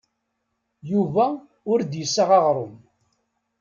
Yuba ur d-yessaɣ aɣrum.